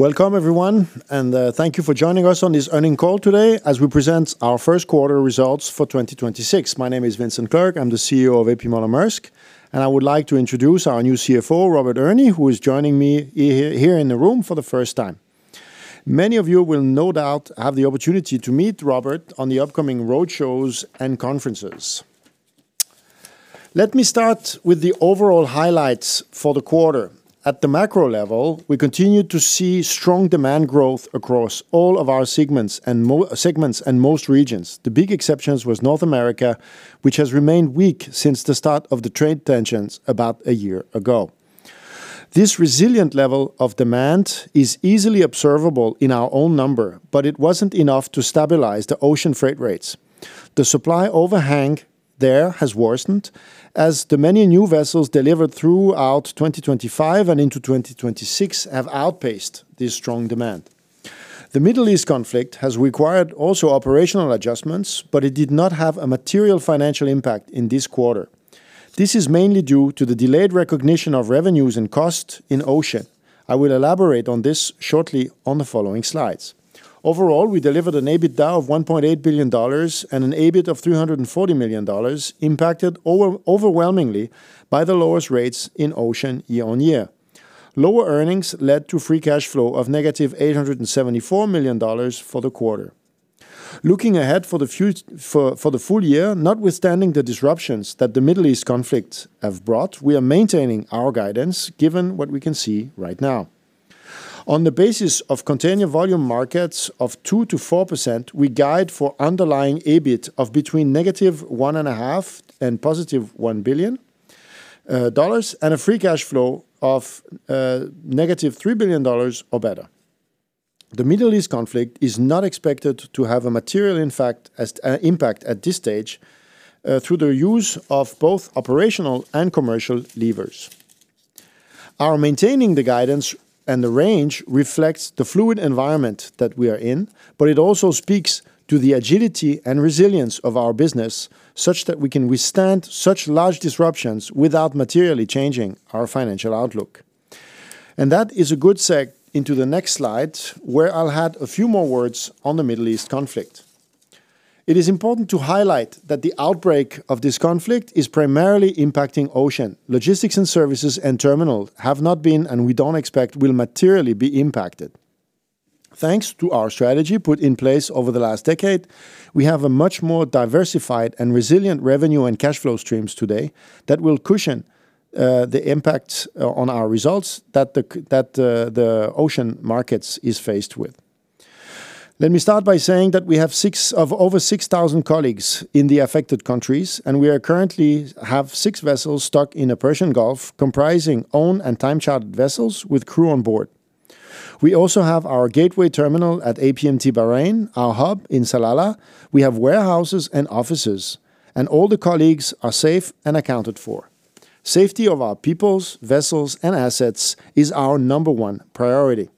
Welcome everyone, thank you for joining us on this earnings call today as we present our first quarter results for 2026. My name is Vincent Clerc, I'm the CEO of A.P. Moller - Maersk, I would like to introduce our new CFO, Robert Erni, who is joining me here in the room for the first time. Many of you will no doubt have the opportunity to meet Robert on the upcoming roadshows and conferences. Let me start with the overall highlights for the quarter. At the macro level, we continue to see strong demand growth across all of our segments and most regions. The big exceptions was North America, which has remained weak since the start of the trade tensions about a year ago. This resilient level of demand is easily observable in our own number, but it wasn't enough to stabilize the ocean freight rates. The supply overhang there has worsened as the many new vessels delivered throughout 2025 and into 2026 have outpaced this strong demand. The Middle East conflict has required also operational adjustments, but it did not have a material financial impact in this quarter. This is mainly due to the delayed recognition of revenues and costs in ocean. I will elaborate on this shortly on the following slides. Overall, we delivered an EBITDA of $1.8 billion and an EBIT of $340 million impacted overwhelmingly by the lowest rates in ocean year-over-year. Lower earnings led to free cash flow of $-874 million for the quarter. Looking ahead for the full year, notwithstanding the disruptions that the Middle East conflict have brought, we are maintaining our guidance given what we can see right now. On the basis of container volume markets of 2%-4%, we guide for underlying EBIT of between $-1.5 billion and $+1 billion, and a free cash flow of $-3 billion or better. The Middle East conflict is not expected to have a material impact at this stage, through the use of both operational and commercial levers. Our maintaining the guidance and the range reflects the fluid environment that we are in, but it also speaks to the agility and resilience of our business such that we can withstand such large disruptions without materially changing our financial outlook. That is a good segue into the next slide, where I'll add a few more words on the Middle East conflict. It is important to highlight that the outbreak of this conflict is primarily impacting ocean. Logistics & Services and terminal have not been, and we don't expect will materially be impacted. Thanks to our strategy put in place over the last decade, we have a much more diversified and resilient revenue and cash flow streams today that will cushion the impact on our results that the ocean market is faced with. Let me start by saying that we have six of over 6,000 colleagues in the affected countries, and we are currently have six vessels stuck in the Persian Gulf comprising owned and time chartered vessels with crew on board. We also have our gateway terminal at APM Terminals Bahrain, our hub in Salalah. We have warehouses and offices, and all the colleagues are safe and accounted for. Safety of our people, vessels, and assets is our number one priority.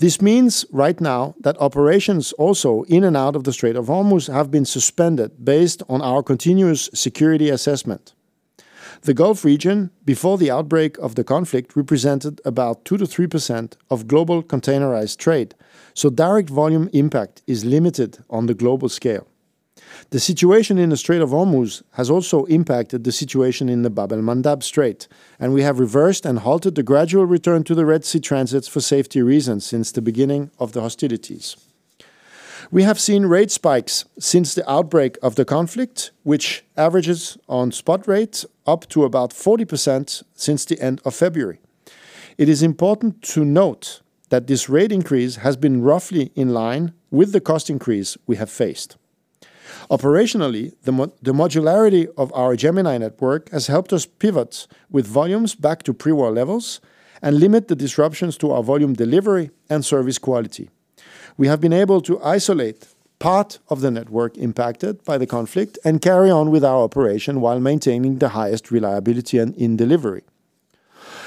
This means right now that operations also in and out of the Strait of Hormuz have been suspended based on our continuous security assessment. The Gulf region, before the outbreak of the conflict, represented about 2%-3% of global containerized trade, so direct volume impact is limited on the global scale. The situation in the Strait of Hormuz has also impacted the situation in the Bab al-Mandab Strait, and we have reversed and halted the gradual return to the Red Sea transits for safety reasons since the beginning of the hostilities. We have seen rate spikes since the outbreak of the conflict, which averages on spot rates up to about 40% since the end of February. It is important to note that this rate increase has been roughly in line with the cost increase we have faced. Operationally, the modularity of our Gemini Cooperation has helped us pivot with volumes back to pre-war levels and limit the disruptions to our volume delivery and service quality. We have been able to isolate part of the network impacted by the conflict and carry on with our operation while maintaining the highest reliability and in delivery.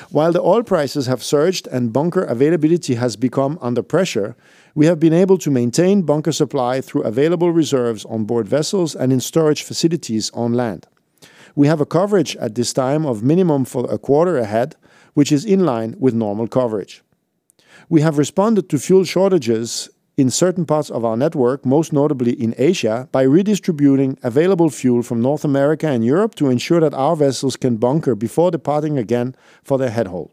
While the oil prices have surged and bunker availability has become under pressure, we have been able to maintain bunker supply through available reserves on board vessels and in storage facilities on land. We have a coverage at this time of minimum for a quarter ahead, which is in line with normal coverage. We have responded to fuel shortages in certain parts of our network, most notably in Asia, by redistributing available fuel from North America and Europe to ensure that our vessels can bunker before departing again for their headhaul.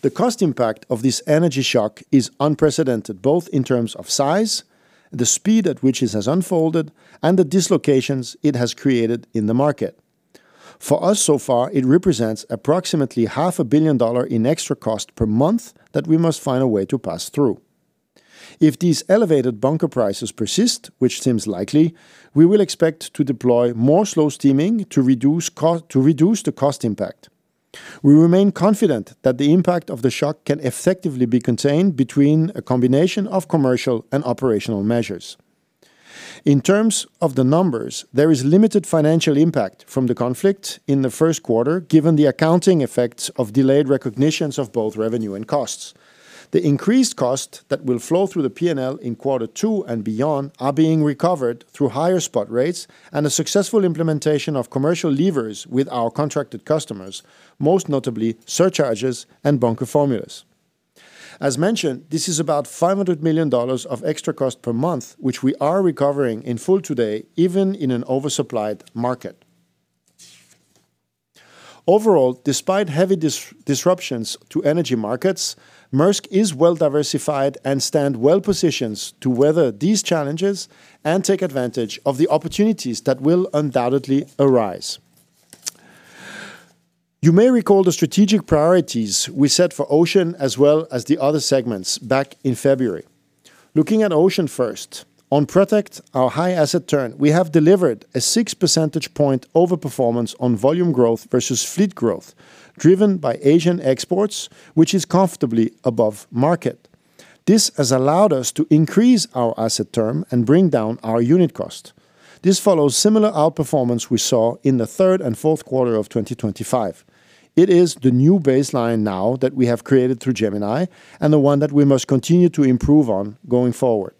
The cost impact of this energy shock is unprecedented both in terms of size, the speed at which it has unfolded, and the dislocations it has created in the market. For us so far, it represents approximately $500 million in extra cost per month that we must find a way to pass through. If these elevated bunker prices persist, which seems likely, we will expect to deploy more slow steaming to reduce the cost impact. We remain confident that the impact of the shock can effectively be contained between a combination of commercial and operational measures. In terms of the numbers, there is limited financial impact from the conflict in the first quarter, given the accounting effects of delayed recognitions of both revenue and costs. The increased cost that will flow through the P&L in quarter two and beyond are being recovered through higher spot rates and a successful implementation of commercial levers with our contracted customers, most notably surcharges and bunker formulas. As mentioned, this is about $500 million of extra cost per month, which we are recovering in full today, even in an oversupplied market. Overall, despite heavy disruptions to energy markets, Maersk is well diversified and stand well-positioned to weather these challenges and take advantage of the opportunities that will undoubtedly arise. You may recall the strategic priorities we set for Ocean as well as the other segments back in February. Looking at Ocean first, on protect our high asset turn, we have delivered a 6 percentage point overperformance on volume growth versus fleet growth, driven by Asian exports, which is comfortably above market. This has allowed us to increase our asset turn and bring down our unit cost. This follows similar outperformance we saw in the third and fourth quarter of 2025. It is the new baseline now that we have created through Gemini and the one that we must continue to improve on going forward.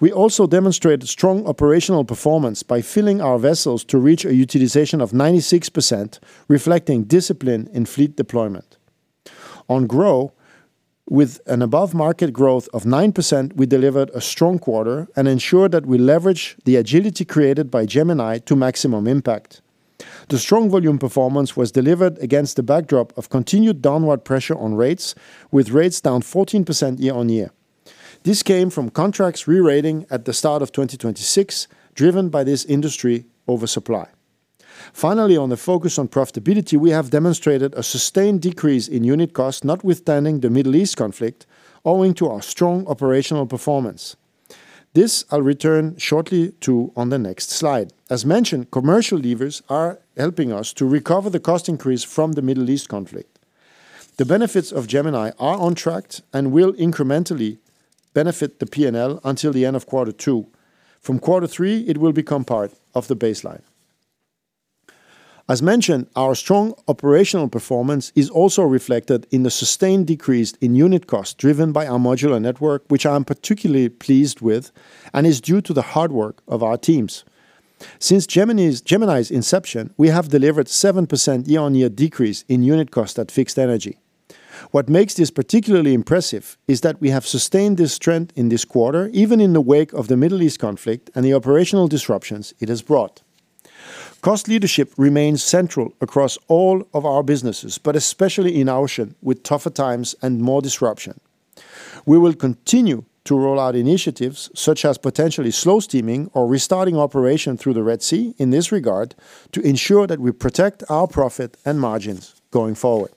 We also demonstrate strong operational performance by filling our vessels to reach a utilization of 96%, reflecting discipline in fleet deployment. On grow, with an above-market growth of 9%, we delivered a strong quarter and ensured that we leverage the agility created by Gemini to maximum impact. The strong volume performance was delivered against the backdrop of continued downward pressure on rates, with rates down 14% year-on-year. This came from contracts re-rating at the start of 2026, driven by this industry oversupply. Finally, on the focus on profitability, we have demonstrated a sustained decrease in unit cost, notwithstanding the Middle East conflict, owing to our strong operational performance. This I'll return shortly to on the next slide. As mentioned, commercial levers are helping us to recover the cost increase from the Middle East conflict. The benefits of Gemini are on track and will incrementally benefit the P&L until the end of quarter two. From quarter three, it will become part of the baseline. As mentioned, our strong operational performance is also reflected in the sustained decrease in unit cost driven by our modular network, which I am particularly pleased with and is due to the hard work of our teams. Since Gemini's inception, we have delivered 7% year-on-year decrease in unit cost at fixed energy. What makes this particularly impressive is that we have sustained this trend in this quarter, even in the wake of the Middle East conflict and the operational disruptions it has brought. Cost leadership remains central across all of our businesses, but especially in Ocean, with tougher times and more disruption. We will continue to roll out initiatives such as potentially slow steaming or restarting operation through the Red Sea in this regard to ensure that we protect our profit and margins going forward.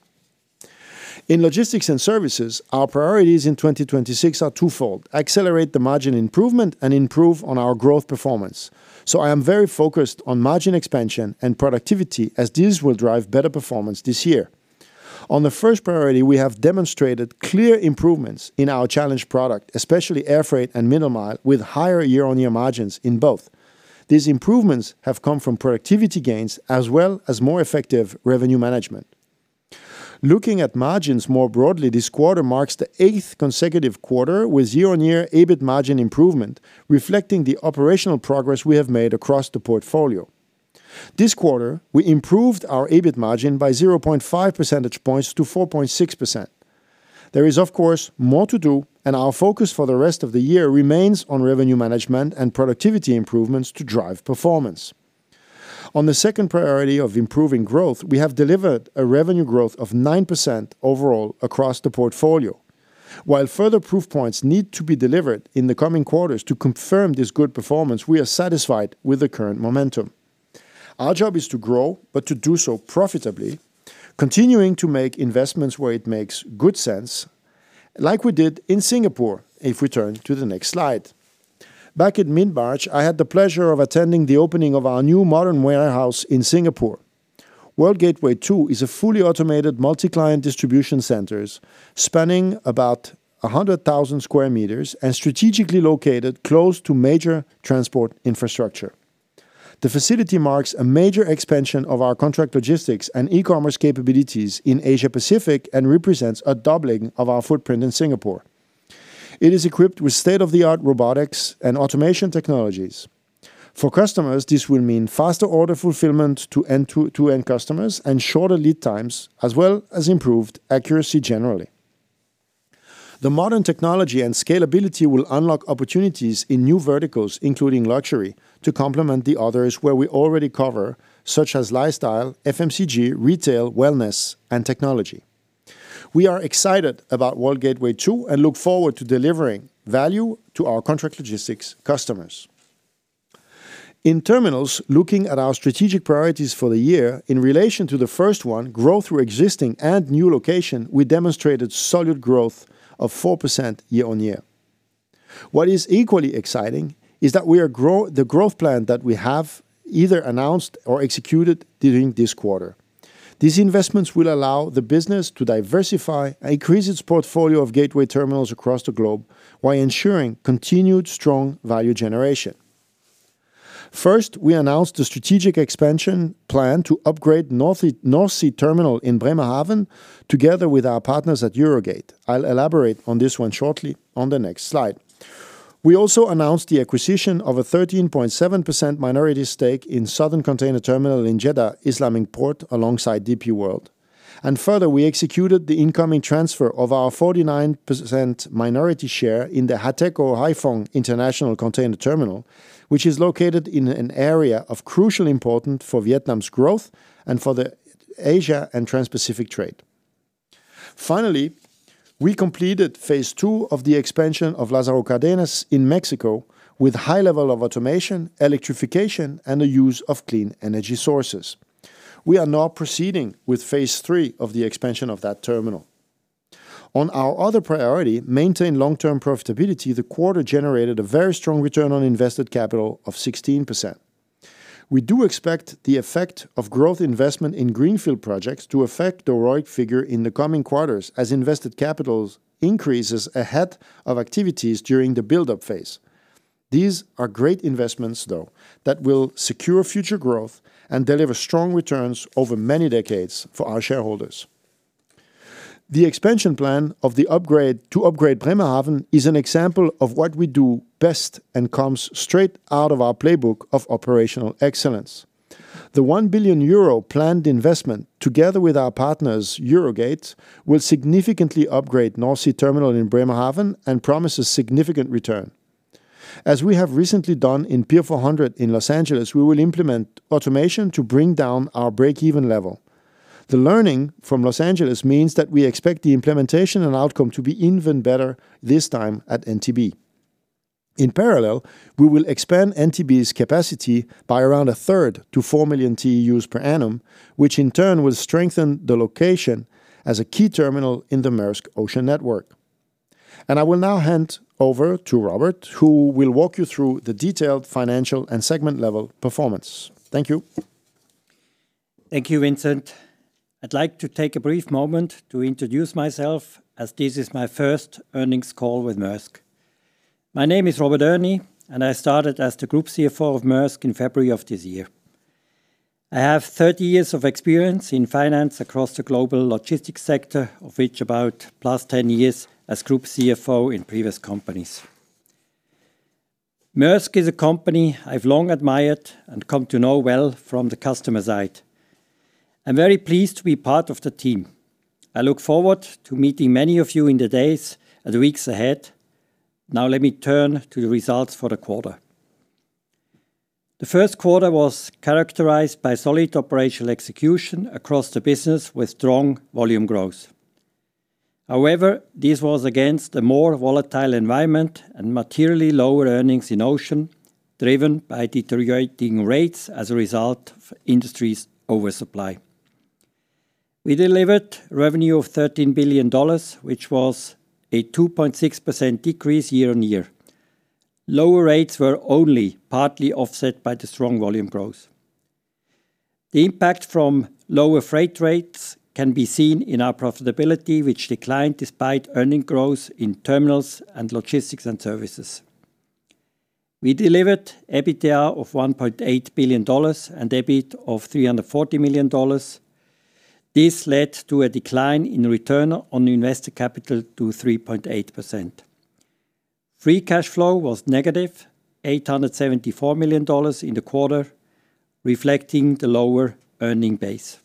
In Logistics & Services, our priorities in 2026 are twofold: accelerate the margin improvement and improve on our growth performance. I am very focused on margin expansion and productivity, as these will drive better performance this year. On the first priority, we have demonstrated clear improvements in our challenged product, especially air freight and Middle Mile, with higher year-on-year margins in both. These improvements have come from productivity gains as well as more effective revenue management. Looking at margins more broadly, this quarter marks the eighth consecutive quarter with year-on-year EBIT margin improvement, reflecting the operational progress we have made across the portfolio. This quarter, we improved our EBIT margin by 0.5 percentage points to 4.6%. There is, of course, more to do, and our focus for the rest of the year remains on revenue management and productivity improvements to drive performance. On the second priority of improving growth, we have delivered a revenue growth of 9% overall across the portfolio. While further proof points need to be delivered in the coming quarters to confirm this good performance, we are satisfied with the current momentum. Our job is to grow, but to do so profitably, continuing to make investments where it makes good sense, like we did in Singapore, if we turn to the next slide. Back in mid-March, I had the pleasure of attending the opening of our new modern warehouse in Singapore. World Gateway II is a fully automated multi-client distribution centers spanning about 100,000 sq m and strategically located close to major transport infrastructure. The facility marks a major expansion of our contract logistics and e-commerce capabilities in Asia Pacific and represents a doubling of our footprint in Singapore. It is equipped with state-of-the-art robotics and automation technologies. For customers, this will mean faster order fulfillment to end-to-end customers and shorter lead times, as well as improved accuracy generally. The modern technology and scalability will unlock opportunities in new verticals, including luxury, to complement the others where we already cover, such as lifestyle, FMCG, retail, wellness, and technology. We are excited about World Gateway II and look forward to delivering value to our contract logistics customers. In terminals, looking at our strategic priorities for the year, in relation to the first one, growth through existing and new location, we demonstrated solid growth of 4% year-on-year. What is equally exciting is that the growth plan that we have either announced or executed during this quarter. These investments will allow the business to diversify and increase its portfolio of gateway terminals across the globe while ensuring continued strong value generation. First, we announced a strategic expansion plan to upgrade North Sea Terminal Bremerhaven together with our partners at EUROGATE. I'll elaborate on this one shortly on the next slide. We also announced the acquisition of a 13.7% minority stake in South Container Terminal in Jeddah Islamic Port alongside DP World. Further, we executed the incoming transfer of our 49% minority share in the Hateco Haiphong International Container Terminal, which is located in an area of crucial important for Vietnam's growth and for the Asia and Transpacific trade. Finally, we completed phase II of the expansion of Lazaro Cardenas in Mexico with high level of automation, electrification, and the use of clean energy sources. We are now proceeding with phase III of the expansion of that terminal. On our other priority, maintain long-term profitability, the quarter generated a very strong return on invested capital of 16%. We do expect the effect of growth investment in greenfield projects to affect the ROIC figure in the coming quarters as invested capital increases ahead of activities during the buildup phase. These are great investments, though, that will secure future growth and deliver strong returns over many decades for our shareholders. The expansion plan of the upgrade to upgrade Bremerhaven is an example of what we do best and comes straight out of our playbook of operational excellence. The 1 billion euro planned investment, together with our partners, EUROGATE, will significantly upgrade North Sea Terminal Bremerhaven and promises significant return. As we have recently done in Pier 400 in Los Angeles, we will implement automation to bring down our breakeven level. The learning from Los Angeles means that we expect the implementation and outcome to be even better this time at NTB. In parallel, we will expand NTB's capacity by around a 1/3 to 4 million TEUs per annum, which in turn will strengthen the location as a key terminal in the Maersk Ocean Network. I will now hand over to Robert, who will walk you through the detailed financial and segment-level performance. Thank you. Thank you, Vincent. I'd like to take a brief moment to introduce myself as this is my first earnings call with Maersk. My name is Robert Erni, and I started as the Group CFO of Maersk in February of this year. I have 30 years of experience in finance across the global logistics sector, of which about +10 years as Group CFO in previous companies. Maersk is a company I've long admired and come to know well from the customer side. I'm very pleased to be part of the team. I look forward to meeting many of you in the days and weeks ahead. Now let me turn to the results for the quarter. The first quarter was characterized by solid operational execution across the business with strong volume growth. This was against a more volatile environment and materially lower earnings in Ocean, driven by deteriorating rates as a result of industry's oversupply. We delivered revenue of $13 billion, which was a 2.6% decrease year-on-year. Lower rates were only partly offset by the strong volume growth. The impact from lower freight rates can be seen in our profitability, which declined despite earning growth in Terminals and Logistics & Services. We delivered EBITDA of $1.8 billion and EBIT of $340 million. This led to a decline in Return On Invested Capital to 3.8%. Free cash flow was $-874 million in the quarter, reflecting the lower earning base.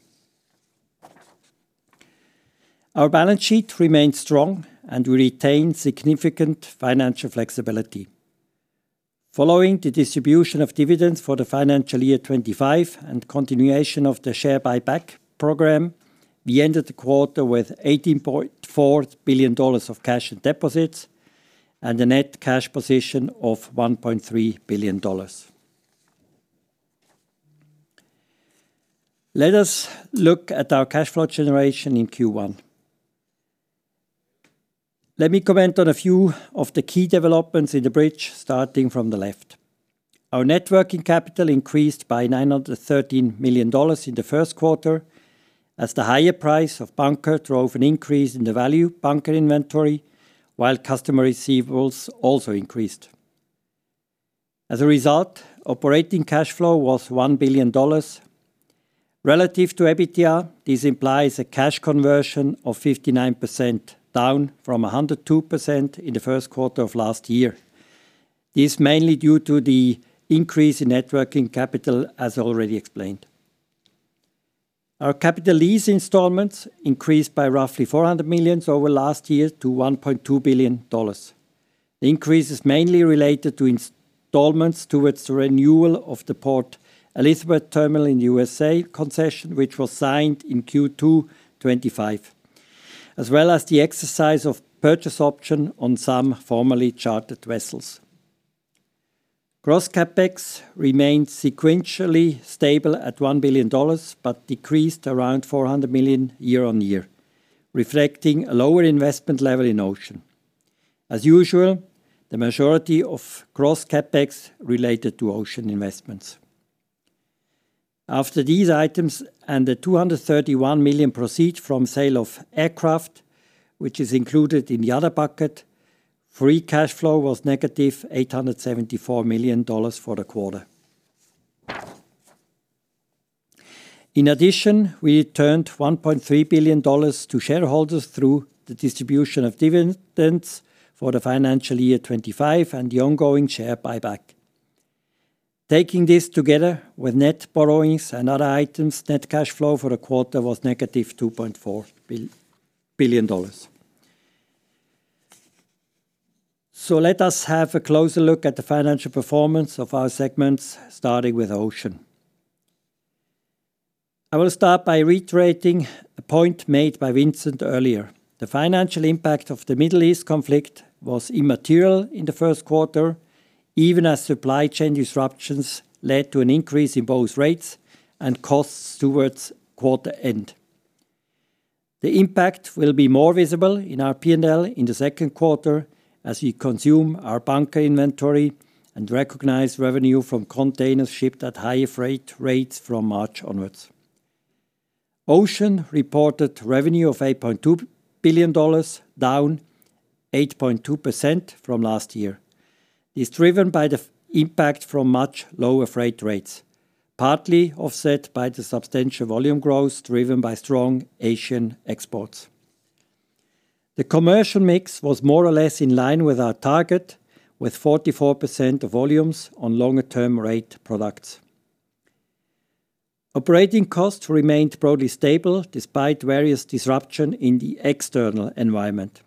Our balance sheet remains strong, and we retain significant financial flexibility. Following the distribution of dividends for the financial year 2025 and continuation of the share buyback program, we ended the quarter with $18.4 billion of cash and deposits and a net cash position of $1.3 billion. Let us look at our cash flow generation in Q1. Let me comment on a few of the key developments in the bridge, starting from the left. Our net working capital increased by $913 million in the first quarter as the higher price of bunker drove an increase in the value bunker inventory, while customer receivables also increased. As a result, operating cash flow was $1 billion. Relative to EBITDA, this implies a cash conversion of 59%, down from 102% in the first quarter of last year. This mainly due to the increase in net working capital, as already explained. Our capital lease installments increased by roughly $400 million over last year to $1.2 billion. The increase is mainly related to installments towards the renewal of the Port Elizabeth Terminal in U.S.A. concession, which was signed in Q2 2025, as well as the exercise of purchase option on some formerly chartered vessels. Gross CapEx remains sequentially stable at $1 billion, but decreased around $400 million year-on-year, reflecting a lower investment level in Ocean. As usual, the majority of gross CapEx related to Ocean investments. After these items and the $231 million proceed from sale of aircraft, which is included in the other bucket, free cash flow was $-874 million for the quarter. In addition, we returned $1.3 billion to shareholders through the distribution of dividends for the FY 2025 and the ongoing share buyback. Taking this together with net borrowings and other items, net cash flow for the quarter was $-2.4 billion. Let us have a closer look at the financial performance of our segments, starting with Ocean. I will start by reiterating a point made by Vincent earlier. The financial impact of the Middle East conflict was immaterial in the first quarter, even as supply chain disruptions led to an increase in both rates and costs towards quarter end. The impact will be more visible in our P&L in the second quarter as we consume our bunker inventory and recognize revenue from containers shipped at higher freight rates from March onwards. Ocean reported revenue of $8.2 billion, down 8.2% from last year, is driven by the impact from much lower freight rates, partly offset by the substantial volume growth driven by strong Asian exports. The commercial mix was more or less in line with our target, with 44% of volumes on longer-term rate products. Operating costs remained broadly stable despite various disruption in the external environment.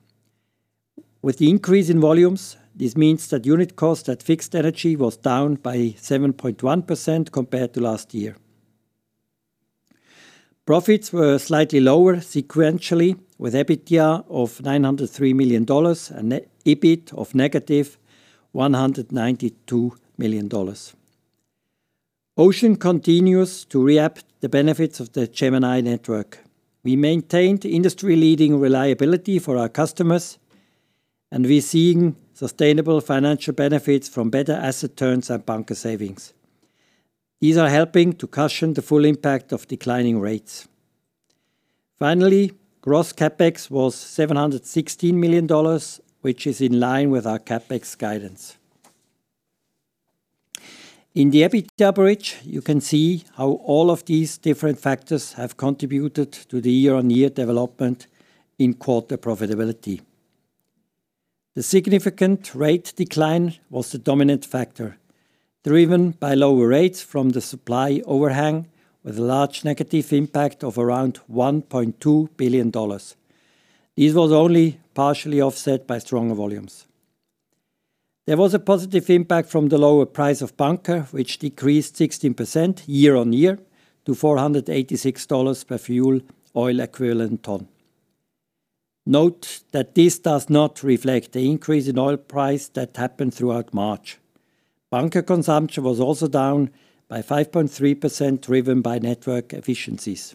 With the increase in volumes, this means that unit cost at fixed energy was down by 7.1% compared to last year. Profits were slightly lower sequentially, with EBITDA of $903 million and EBIT of $-192 million. Ocean continues to reap the benefits of the Gemini Cooperation. We maintained industry-leading reliability for our customers, and we're seeing sustainable financial benefits from better asset turns and bunker savings. These are helping to cushion the full impact of declining rates. Finally, gross CapEx was $716 million, which is in line with our CapEx guidance. In the EBITDA bridge, you can see how all of these different factors have contributed to the year-on-year development in quarter profitability. The significant rate decline was the dominant factor, driven by lower rates from the supply overhang with a large negative impact of around $1.2 billion. This was only partially offset by stronger volumes. There was a positive impact from the lower price of bunker, which decreased 16% year-on-year to $486 per fuel oil equivalent ton. Note that this does not reflect the increase in oil price that happened throughout March. Bunker consumption was also down by 5.3% driven by network efficiencies.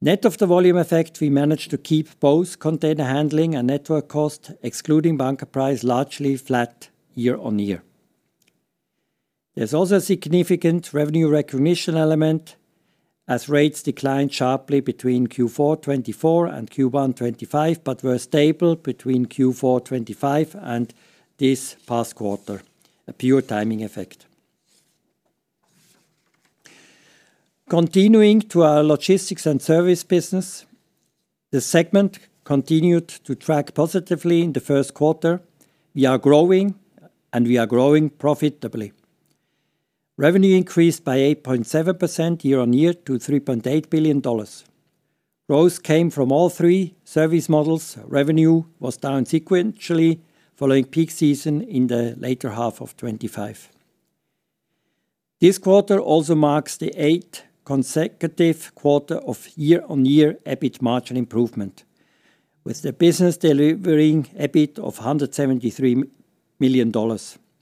Net of the volume effect, we managed to keep both container handling and network cost, excluding bunker price, largely flat year-on-year. There's also a significant revenue recognition element as rates declined sharply between Q4 2024 and Q1 2025, but were stable between Q4 2025 and this past quarter, a pure timing effect. Continuing to our Logistics & Services business, the segment continued to track positively in the first quarter. We are growing, and we are growing profitably. Revenue increased by 8.7% year-on-year to $3.8 billion. Growth came from all three service models. Revenue was down sequentially following peak season in the later half of 2025. This quarter also marks the eighth consecutive quarter of year-on-year EBIT margin improvement, with the business delivering EBIT of $173 million,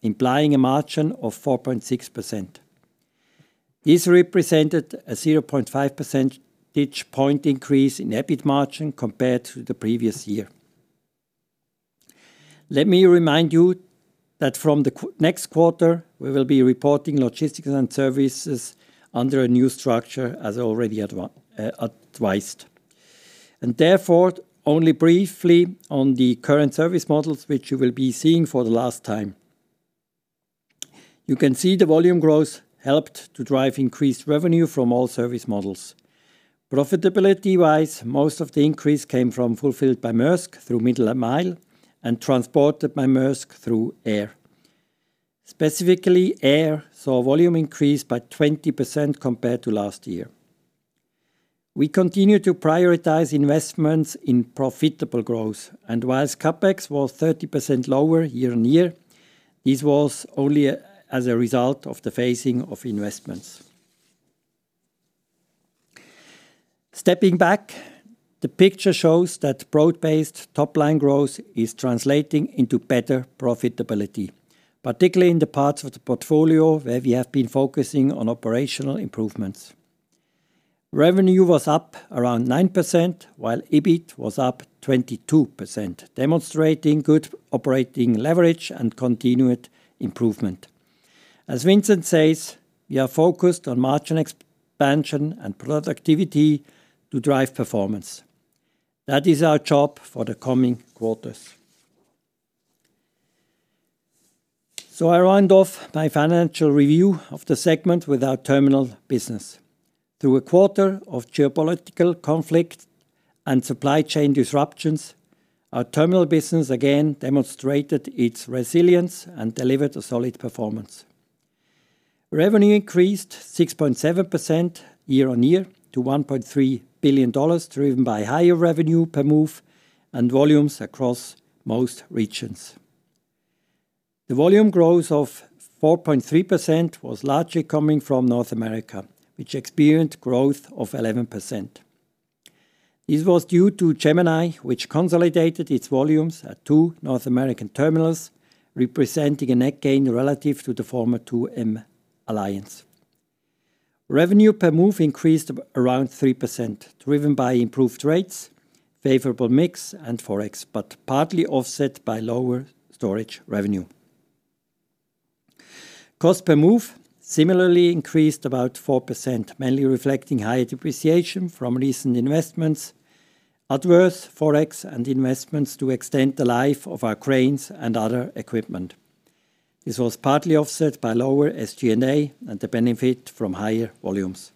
implying a margin of 4.6%. This represented a 0.5 percentage point increase in EBIT margin compared to the previous year. Let me remind you that from the next quarter, we will be reporting Logistics & Services under a new structure as already advised. Therefore, only briefly on the current service models, which you will be seeing for the last time. You can see the volume growth helped to drive increased revenue from all service models. Profitability-wise, most of the increase came from Fulfilled by Maersk through Middle Mile and Transported by Maersk through Air. Specifically, Air saw volume increase by 20% compared to last year. We continue to prioritize investments in profitable growth, and whilst CapEx was 30% lower year-on-year, this was only as a result of the phasing of investments. Stepping back, the picture shows that broad-based top-line growth is translating into better profitability, particularly in the parts of the portfolio where we have been focusing on operational improvements. Revenue was up around 9%, while EBIT was up 22%, demonstrating good operating leverage and continued improvement. As Vincent says, we are focused on margin expansion and productivity to drive performance. That is our job for the coming quarters. I round off my financial review of the segment with our terminal business. Through a quarter of geopolitical conflict and supply chain disruptions, our terminal business again demonstrated its resilience and delivered a solid performance. Revenue increased 6.7% year-on-year to $1.3 billion, driven by higher revenue per move and volumes across most regions. The volume growth of 4.3% was largely coming from North America, which experienced growth of 11%. This was due to Gemini, which consolidated its volumes at two North American terminals, representing a net gain relative to the former 2M alliance. Revenue per move increased around 3%, driven by improved rates, favorable mix, and Forex, but partly offset by lower storage revenue. Cost per move similarly increased about 4%, mainly reflecting higher depreciation from recent investments, adverse Forex and investments to extend the life of our cranes and other equipment. This was partly offset by lower SG&A and the benefit from higher volumes.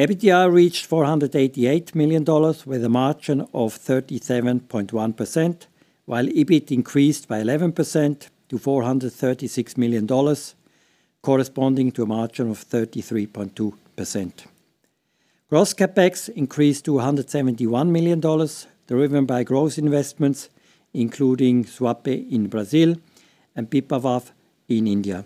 EBITDA reached $488 million with a margin of 37.1%, while EBIT increased by 11% to $436 million, corresponding to a margin of 33.2%. Gross CapEx increased to $171 million, driven by growth investments, including Suape in Brazil and Pipavav in India.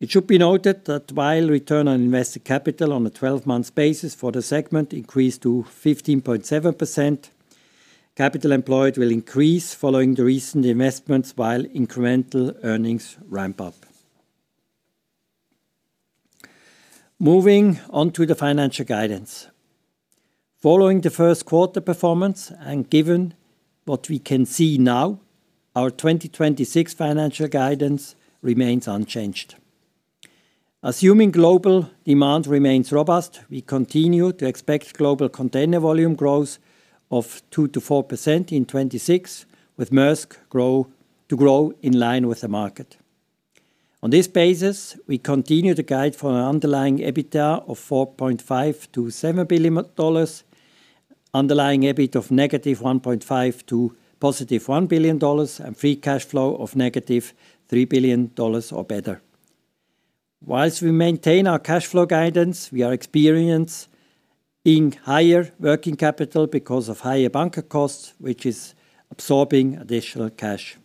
It should be noted that while return on invested capital on a 12-month basis for the segment increased to 15.7%, capital employed will increase following the recent investments while incremental earnings ramp up. Moving on to the financial guidance. Following the first quarter performance and given what we can see now, our 2026 financial guidance remains unchanged. Assuming global demand remains robust, we continue to expect global container volume growth of 2%-4% in 2026, with Maersk to grow in line with the market. On this basis, we continue to guide for an underlying EBITDA of $4.5 billion-$7 billion, underlying EBIT of $-1.5 billion-$+1 billion, and free cash flow of $-3 billion or better. Whilst we maintain our cash flow guidance, we are experiencing higher working capital because of higher bunker costs, which is absorbing additional cash.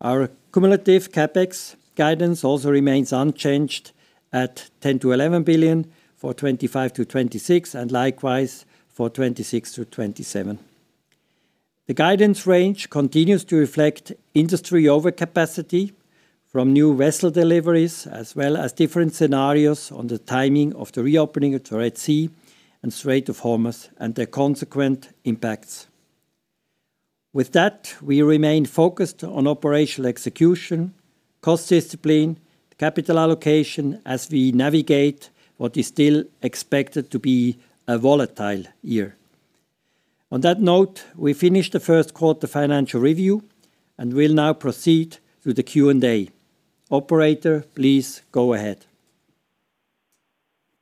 Our cumulative CapEx guidance also remains unchanged at $10 billion-$11 billion for 2025-2026, and likewise for 2026-2027. The guidance range continues to reflect industry overcapacity from new vessel deliveries, as well as different scenarios on the timing of the reopening of the Red Sea and Strait of Hormuz and their consequent impacts. With that, we remain focused on operational execution, cost discipline, capital allocation as we navigate what is still expected to be a volatile year. On that note, we finish the first quarter financial review and will now proceed through the Q&A. Operator, please go ahead.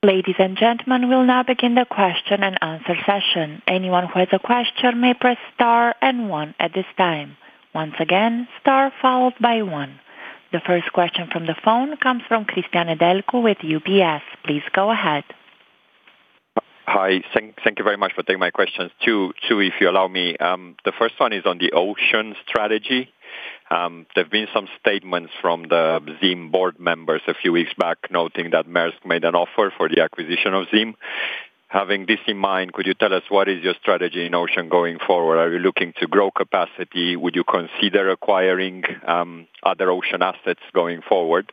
Ladies and gentlemen, we'll now begin the question-and-answer session. Anyone who has a question may press star and one at this time. Once again, star followed by one. The first question from the phone comes from Cristian Nedelcu with UBS. Please go ahead. Hi. Thank you very much for taking my questions. Two if you allow me. The first one is on the Ocean strategy. There have been some statements from the ZIM Board members a few weeks back noting that Maersk made an offer for the acquisition of ZIM. Having this in mind, could you tell us what is your strategy in Ocean going forward? Are you looking to grow capacity? Would you consider acquiring other Ocean assets going forward?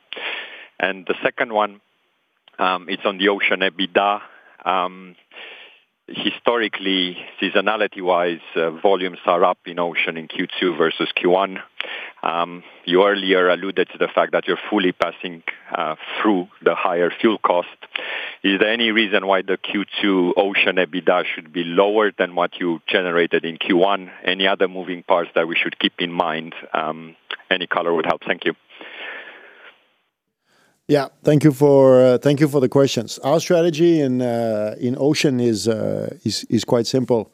The second one, it's on the Ocean EBITDA. Historically, seasonality-wise, volumes are up in Ocean in Q2 versus Q1. You earlier alluded to the fact that you're fully passing through the higher fuel cost. Is there any reason why the Q2 Ocean EBITDA should be lower than what you generated in Q1? Any other moving parts that we should keep in mind? Any color would help. Thank you. Thank you for the questions. Our strategy in Ocean is quite simple.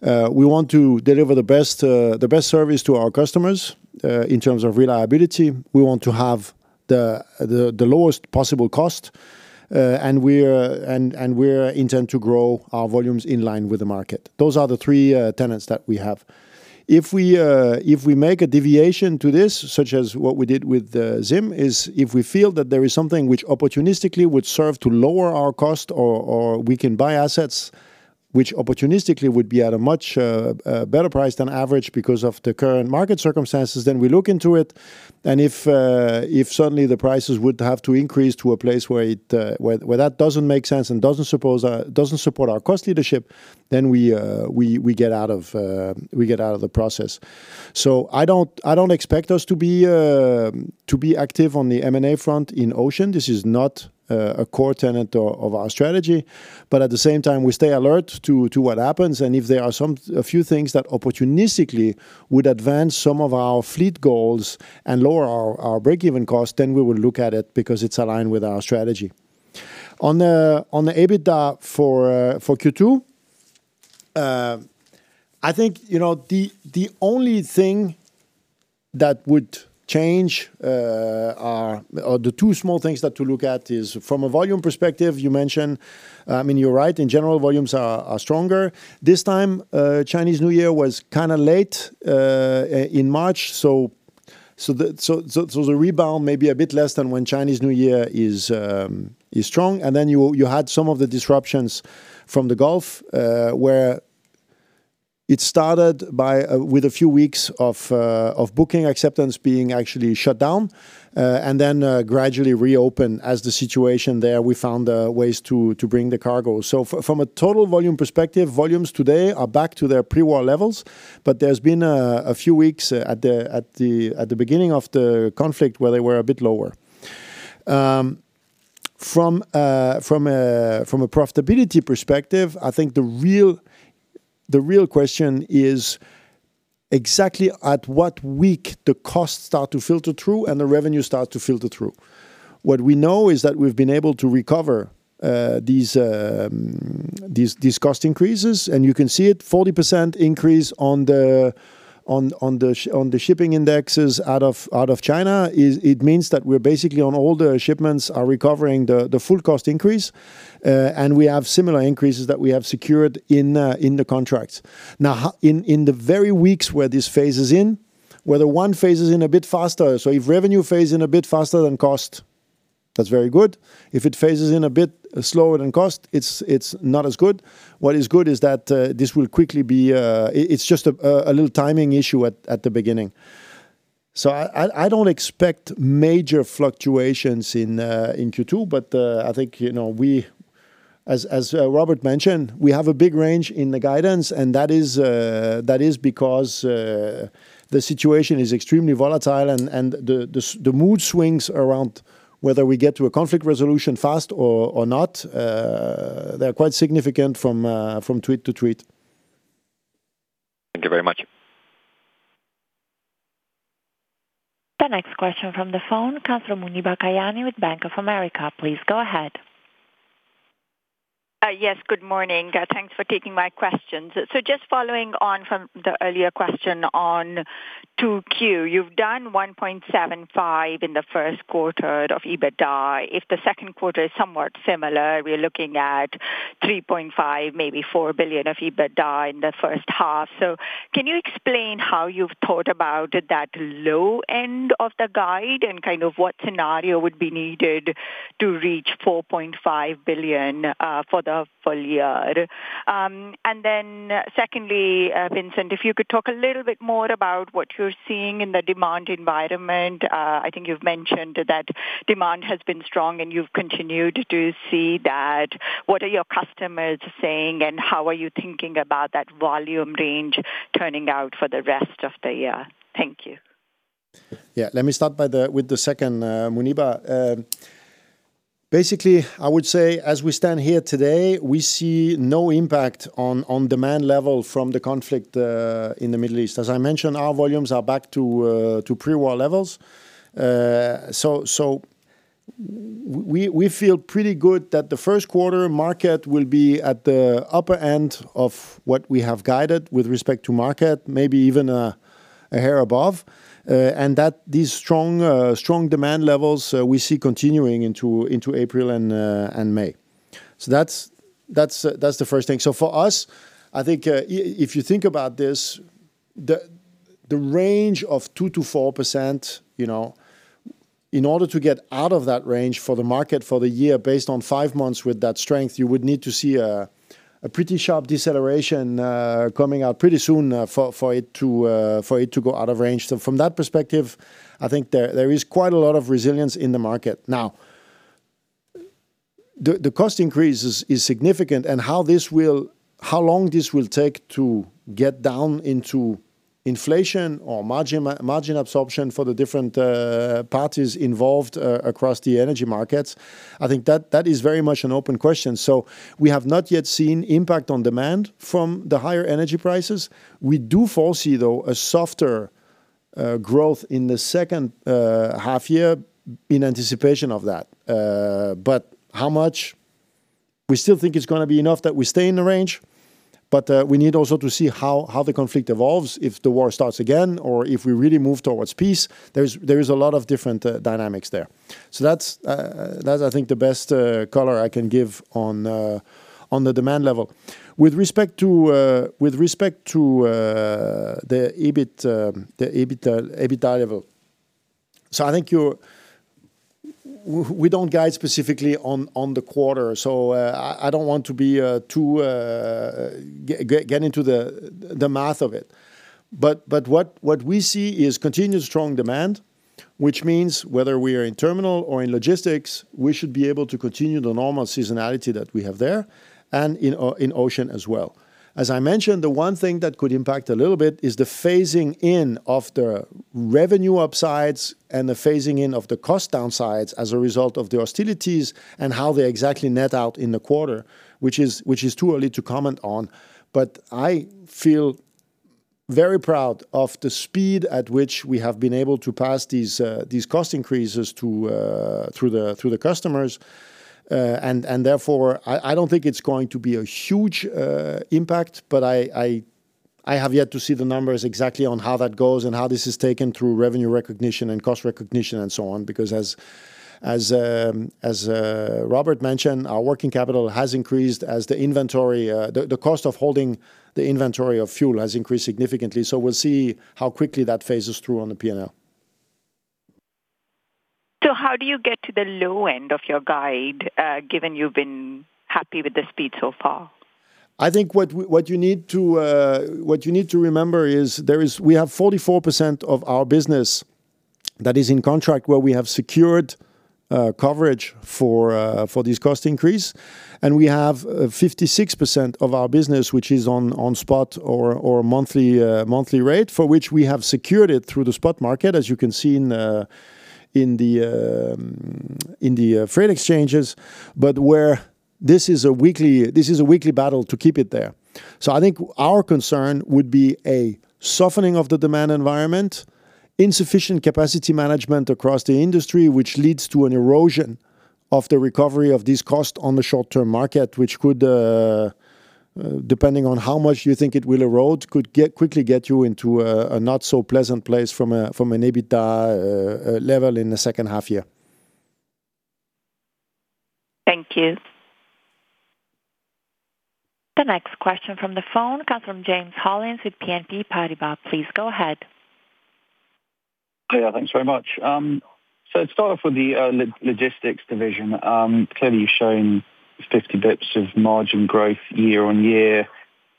We want to deliver the best service to our customers in terms of reliability. We want to have the lowest possible cost, and we're intent to grow our volumes in line with the market. Those are the three tenets that we have. If we make a deviation to this, such as what we did with ZIM, is if we feel that there is something which opportunistically would serve to lower our cost or we can buy assets which opportunistically would be at a much better price than average because of the current market circumstances, then we look into it. If suddenly the prices would have to increase to a place where that doesn't make sense and doesn't support our cost leadership, we get out of the process. I don't expect us to be active on the M&A front in Ocean. This is not a core tenet of our strategy. At the same time, we stay alert to what happens, and if there are a few things that opportunistically would advance some of our fleet goals and lower our break-even cost, we will look at it because it's aligned with our strategy. On the EBITDA for Q2, I think, you know, the only thing that would change or the two small things that to look at is from a volume perspective, you mentioned, and you're right, in general, volumes are stronger. This time, Chinese New Year was kinda late in March, so the rebound may be a bit less than when Chinese New Year is strong. Then you had some of the disruptions from the Gulf, where it started by with a few weeks of booking acceptance being actually shut down, and then gradually reopened as the situation there, we found ways to bring the cargo. From a total volume perspective, volumes today are back to their pre-war levels, but there's been a few weeks at the beginning of the conflict where they were a bit lower. From a profitability perspective, I think the real question is exactly at what week the costs start to filter through and the revenue start to filter through. What we know is that we've been able to recover these cost increases, and you can see it, 40% increase on the shipping indexes out of China. Is it means that we're basically on all the shipments are recovering the full cost increase. We have similar increases that we have secured in the contracts. In the very weeks where this phases in, whether one phases in a bit faster. If revenue phase in a bit faster than cost, that's very good. If it phases in a bit slower than cost, it's not as good. What is good is that it's just a little timing issue at the beginning. I don't expect major fluctuations in Q2, but I think, you know, we As Robert mentioned, we have a big range in the guidance, and that is because the situation is extremely volatile and the mood swings around whether we get to a conflict resolution fast or not, they're quite significant from tweet to tweet. Thank you very much. The next question from the phone comes from Muneeba Kayani with Bank of America. Please go ahead. Yes. Good morning. Thanks for taking my questions. Just following on from the earlier question on 2Q. You've done $1.75 billion in the first quarter of EBITDA. If the second quarter is somewhat similar, we're looking at $3.5 billion, maybe $4 billion of EBITDA in the first half. Can you explain how you've thought about that low end of the guide and kind of what scenario would be needed to reach $4.5 billion for the full year? Secondly, Vincent, if you could talk a little bit more about what you're seeing in the demand environment. I think you've mentioned that demand has been strong and you've continued to see that. What are your customers saying and how are you thinking about that volume range turning out for the rest of the year? Thank you. Yeah. Let me start with the second, Muneeba. Basically, I would say as we stand here today, we see no impact on demand level from the conflict in the Middle East. As I mentioned, our volumes are back to pre-war levels. We feel pretty good that the first quarter market will be at the upper end of what we have guided with respect to market, maybe even a hair above. These strong demand levels we see continuing into April and May. That's the first thing. For us, I think, if you think about this, the range of 2%-4%, you know, in order to get out of that range for the market for the year based on five months with that strength, you would need to see a pretty sharp deceleration coming out pretty soon for it to for it to go out of range. From that perspective, I think there is quite a lot of resilience in the market. Now, the cost increase is significant and how this will, how long this will take to get down into inflation or margin absorption for the different parties involved across the energy markets, I think that is very much an open question. We have not yet seen impact on demand from the higher energy prices. We do foresee though a softer growth in the second half year in anticipation of that. How much? We still think it's gonna be enough that we stay in the range, but we need also to see how the conflict evolves, if the war starts again or if we really move towards peace. There is a lot of different dynamics there. That's I think the best color I can give on the demand level. With respect to, with respect to the EBIT-EBITDA level. I think we don't guide specifically on the quarter, so I don't want to be too get into the math of it. What we see is continued strong demand, which means whether we are in terminal or in logistics, we should be able to continue the normal seasonality that we have there and in ocean as well. As I mentioned, the one thing that could impact a little bit is the phasing in of the revenue upsides and the phasing in of the cost downsides as a result of the hostilities and how they exactly net out in the quarter, which is too early to comment on. Very proud of the speed at which we have been able to pass these cost increases to the customers. Therefore, I don't think it's going to be a huge impact, but I have yet to see the numbers exactly on how that goes and how this is taken through revenue recognition and cost recognition and so on. Because as Robert mentioned, our working capital has increased as the inventory, the cost of holding the inventory of fuel has increased significantly. We'll see how quickly that phases through on the P&L. How do you get to the low end of your guide, given you've been happy with the speed so far? I think what you need to remember is we have 44% of our business that is in contract where we have secured coverage for this cost increase. We have 56% of our business which is on spot or monthly rate, for which we have secured it through the spot market, as you can see in the freight exchanges, but where this is a weekly battl e to keep it there. I think our concern would be a softening of the demand environment, insufficient capacity management across the industry, which leads to an erosion of the recovery of this cost on the short-term market, which could, depending on how much you think it will erode, could quickly get you into a not so pleasant place from an EBITDA level in the second half year. Thank you. The next question from the phone comes from James Hollins with BNP Paribas. Please go ahead. Thanks very much. Let's start off with the Logistics division. Clearly, you're showing 50 basis points of margin growth year-on-year.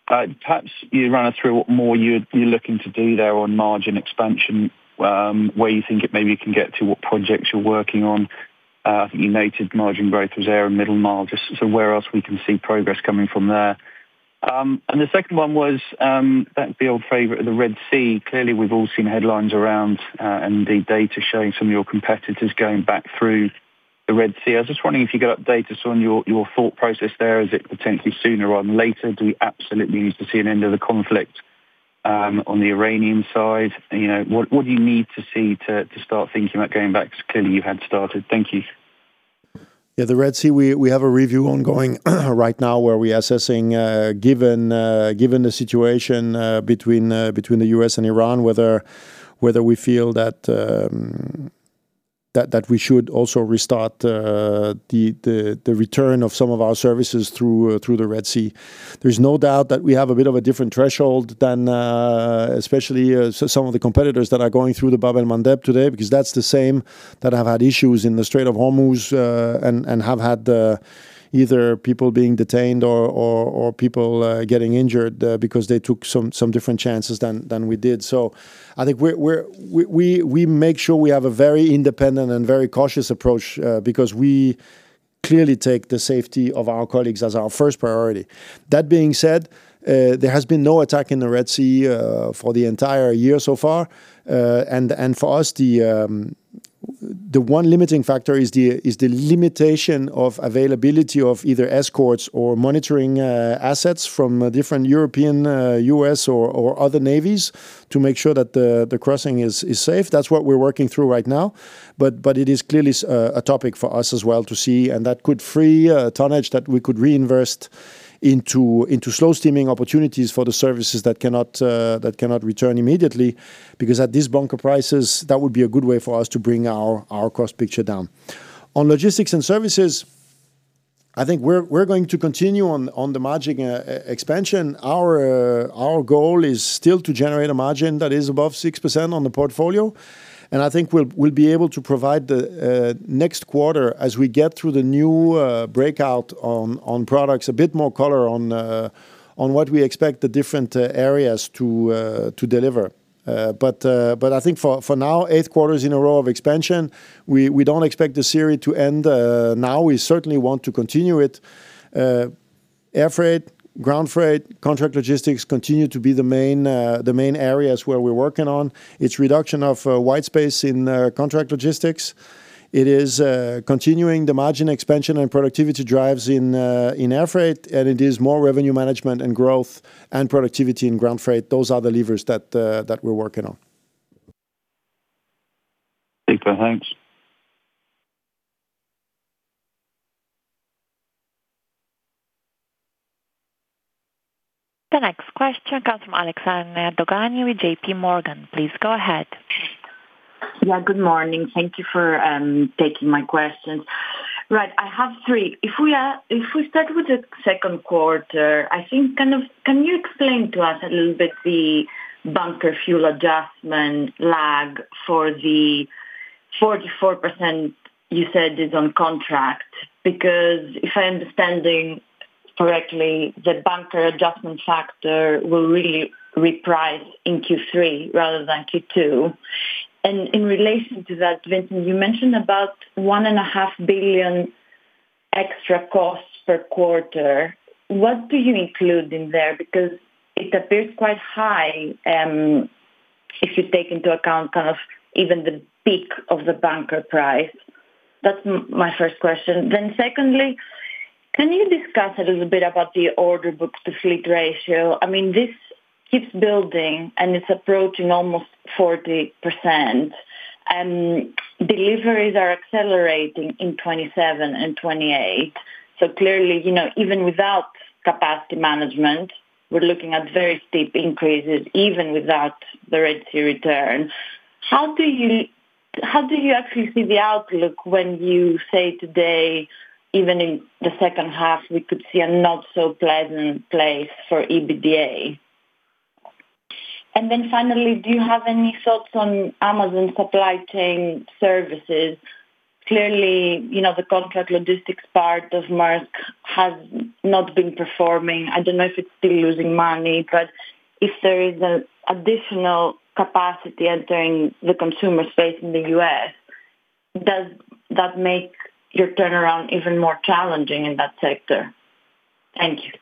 Perhaps you run us through what more you're looking to do there on margin expansion, where you think it maybe can get to, what projects you're working on. I think you noted margin growth was there in Middle Mile. Where else we can see progress coming from there. The second one was that the old favorite, the Red Sea. Clearly, we've all seen headlines around and indeed data showing some of your competitors going back through the Red Sea. I was wondering if you could update us on your thought process there. Is it potentially sooner rather than later? Do we absolutely need to see an end of the conflict, on the Iranian side? You know, what do you need to see to start thinking about going back? 'Cause clearly you had started. Thank you. Yeah, the Red Sea, we have a review ongoing right now where we're assessing, given the situation between the U.S. and Iran, whether we feel that we should also restart the return of some of our services through the Red Sea. There's no doubt that we have a bit of a different threshold than especially some of the competitors that are going through the Bab al-Mandab today, because that's the same that have had issues in the Strait of Hormuz and have had either people being detained or people getting injured because they took some different chances than we did. I think we make sure we have a very independent and very cautious approach because we clearly take the safety of our colleagues as our first priority. That being said, there has been no attack in the Red Sea for the entire year so far. And for us, the one limiting factor is the limitation of availability of either escorts or monitoring assets from different European, U.S. or other navies to make sure that the crossing is safe. That's what we're working through right now. It is clearly a topic for us as well to see, and that could free tonnage that we could reinvest into slow steaming opportunities for the services that cannot return immediately. Because at these bunker prices, that would be a good way for us to bring our cost picture down. On Logistics & Services, I think we're going to continue on the margin expansion. Our goal is still to generate a margin that is above 6% on the portfolio. I think we'll be able to provide the next quarter as we get through the new breakout on products, a bit more color on what we expect the different areas to deliver. But I think for now, eight quarters in a row of expansion, we don't expect the series to end now. We certainly want to continue it. Air freight, ground freight, contract logistics continue to be the main areas where we're working on. It's reduction of white space in contract logistics. It is continuing the margin expansion and productivity drives in air freight, and it is more revenue management and growth and productivity in ground freight. Those are the levers that we're working on. Super. Thanks. The next question comes from Alexia Dogani with JPMorgan. Please go ahead. Good morning. Thank you for taking my questions. I have three. If we start with the second quarter, I think can you explain to us a little bit the bunker fuel adjustment lag for the 44% you said is on contract? If I'm understanding correctly, the bunker adjustment factor will really reprice in Q3 rather than Q2. In relation to that, Vincent, you mentioned about $1.5 billion extra costs per quarter. What do you include in there? It appears quite high if you take into account even the peak of the bunker price. That's my first question. Secondly, can you discuss a little bit about the order books to fleet ratio? I mean, this keeps building, and it's approaching almost 40%. Deliveries are accelerating in 2027 and 2028. Clearly, you know, even without capacity management, we're looking at very steep increases even without the Red Sea return. How do you actually see the outlook when you say today, even in the second half, we could see a not so pleasant place for EBITDA? Finally, do you have any thoughts on Amazon Supply Chain Services? Clearly, you know, the contract logistics part of Maersk has not been performing. I don't know if it's still losing money, but if there is an additional capacity entering the consumer space in the U.S., does that make your turnaround even more challenging in that sector? Thank you.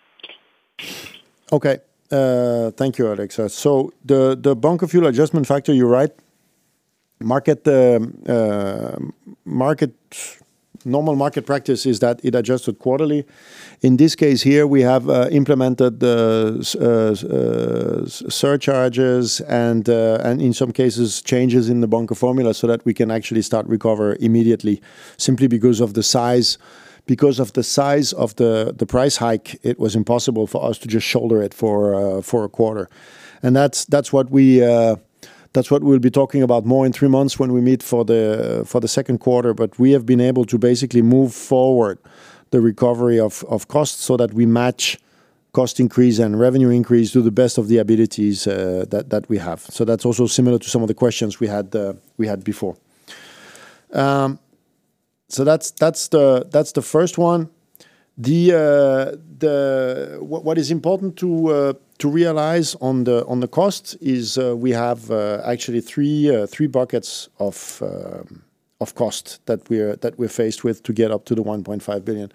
Okay. Thank you, Alexia. The bunker fuel adjustment factor, you're right. Normal market practice is that it adjusted quarterly. In this case here, we have implemented the surcharges and in some cases, changes in the bunker formula so that we can actually start recover immediately simply because of the size. Because of the size of the price hike, it was impossible for us to just shoulder it for a quarter. That's what we'll be talking about more in three months when we meet for the second quarter. We have been able to basically move forward the recovery of costs so that we match cost increase and revenue increase to the best of the abilities that we have. That's also similar to some of the questions we had before. That's the first one. What is important to realize on the cost is, we have actually three buckets of cost that we're faced with to get up to the $1.5 billion.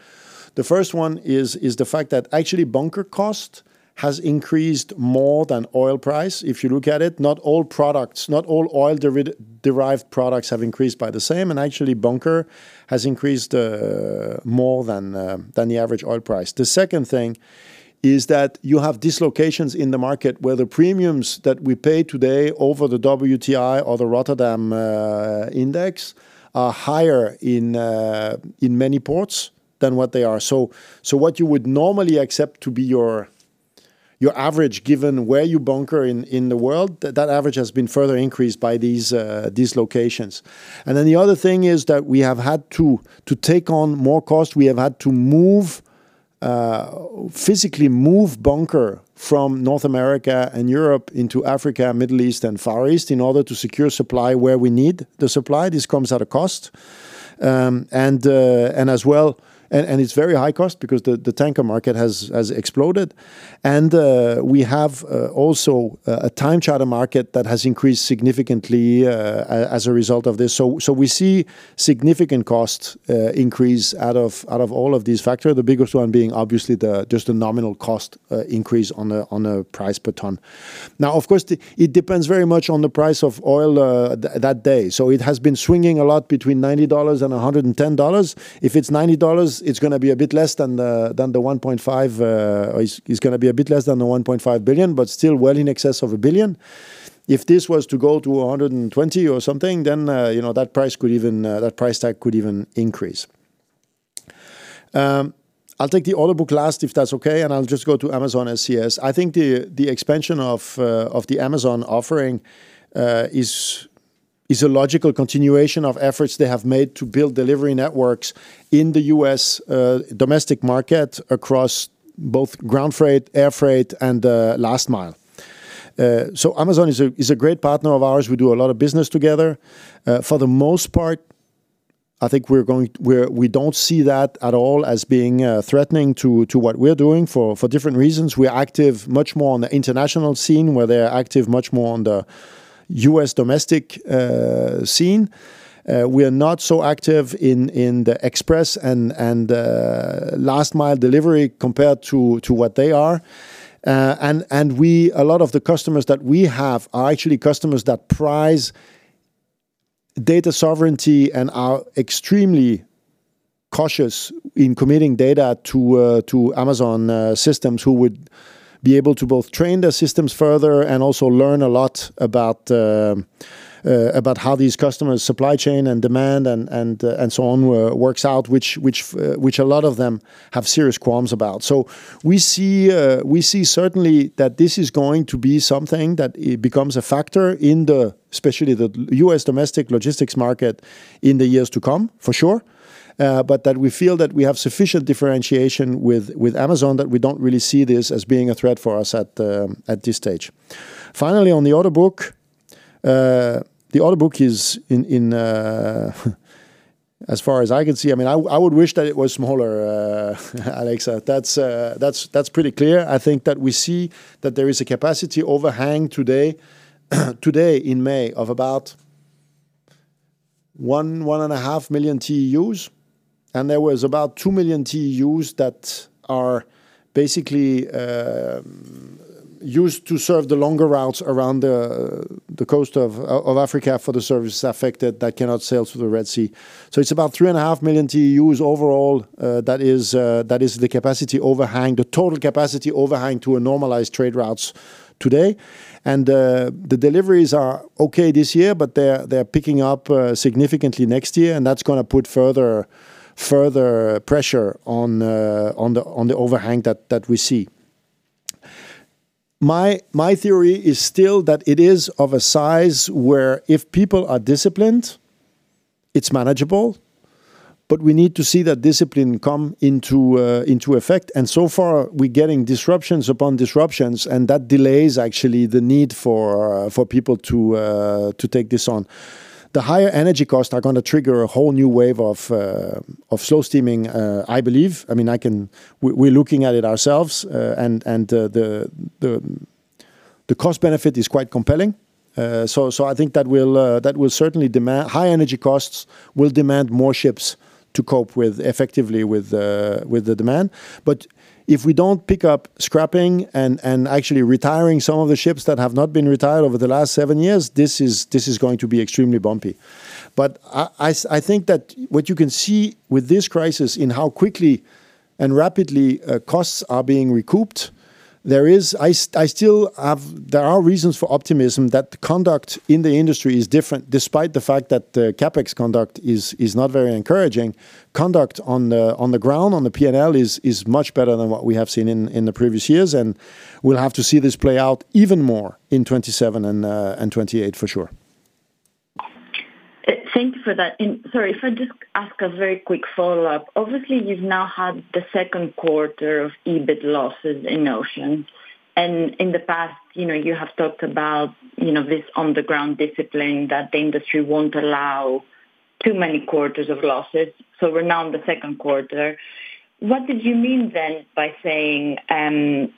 The first one is the fact that actually bunker cost has increased more than oil price. If you look at it, not all products, not all oil derived products have increased by the same, and actually bunker has increased more than the average oil price. The second thing is that you have dislocations in the market where the premiums that we pay today over the WTI or the Rotterdam Index are higher in many ports than what they are. What you would normally accept to be your average given where you bunker in the world, that average has been further increased by these dislocations. The other thing is that we have had to take on more cost. We have had to move physically move bunker from North America and Europe into Africa, Middle East, and Far East in order to secure supply where we need the supply. This comes at a cost. It's very high cost because the tanker market has exploded. We have also a time charter market that has increased significantly as a result of this. We see significant cost increase out of all of these factors. The biggest one being obviously the just the nominal cost increase on a price per ton. It depends very much on the price of oil that day. It has been swinging a lot between $90 and $110. If it's $90, it's gonna be a bit less than the $1.5 billion, but still well in excess of $1 billion. If this was to go to $120 or something, then, you know, that price could even, that price tag could even increase. I'll take the order book last if that's okay, and I'll just go to Amazon SCS. I think the expansion of the Amazon offering is a logical continuation of efforts they have made to build delivery networks in the U.S. domestic market across both ground freight, air freight, and last mile. Amazon is a great partner of ours. We do a lot of business together. For the most part, I think we don't see that at all as being threatening to what we're doing for different reasons. We are active much more on the international scene, where they are active much more on the U.S. domestic scene. We are not so active in the express and last mile delivery compared to what they are. We, a lot of the customers that we have are actually customers that prize data sovereignty and are extremely cautious in committing data to Amazon systems who would be able to both train their systems further and also learn a lot about how these customers supply chain and demand and so on works out, which a lot of them have serious qualms about. We see certainly that this is going to be something that it becomes a factor in the, especially the U.S. domestic logistics market in the years to come, for sure. That we feel that we have sufficient differentiation with Amazon that we don't really see this as being a threat for us at this stage. Finally, on the order book, the order book is in as far as I can see, I mean, I would wish that it was smaller, Alexia. That's pretty clear. I think that we see that there is a capacity overhang today in May of about 1.5 million TEUs, and there was about 2 million TEUs that are basically used to serve the longer routes around the coast of Africa for the services affected that cannot sail through the Red Sea. It's about 3.5 million TEUs overall, that is the capacity overhang, the total capacity overhang to a normalized trade routes today. The deliveries are okay this year, but they're picking up significantly next year, and that's gonna put further pressure on the overhang that we see. My theory is still that it is of a size where if people are disciplined, it's manageable. We need to see that discipline come into into effect, and so far we're getting disruptions upon disruptions, and that delays actually the need for for people to to take this on. The higher energy costs are gonna trigger a whole new wave of of slow steaming, I believe. I mean, We're looking at it ourselves, and the cost benefit is quite compelling. High energy costs will demand more ships to cope with effectively with the demand. If we don't pick up scrapping and actually retiring some of the ships that have not been retired over the last seven years, this is going to be extremely bumpy. I think that what you can see with this crisis in how quickly and rapidly costs are being recouped, there are reasons for optimism that the conduct in the industry is different despite the fact that the CapEx conduct is not very encouraging. Conduct on the P&L is much better than what we have seen in the previous years, and we'll have to see this play out even more in 2027 and 2028 for sure. Thank you for that. Sorry, if I just ask a very quick follow-up. Obviously, you've now had the second quarter of EBIT losses in Ocean. In the past, you know, you have talked about, you know, this on-the-ground discipline that the industry won't allow too many quarters of losses. We're now in the second quarter. What did you mean then by saying,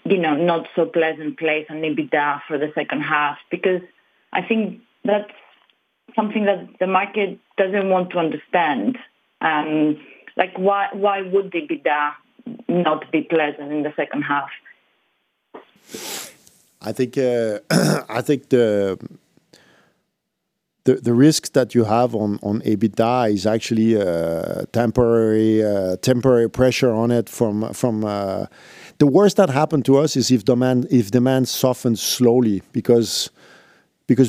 you know, not so pleasant place on EBITDA for the second half? Because I think that's something that the market doesn't want to understand. Why, why would the EBITDA not be pleasant in the second half? I think the risks that you have on EBITDA is actually temporary pressure on it. The worst that happened to us is if demand softens slowly because